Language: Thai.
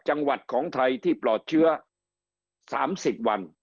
จังหวัดของไทยที่ปลอดเชื้อ๓๐วัน